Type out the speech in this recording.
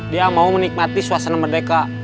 dia mau menikmati suasana merdeka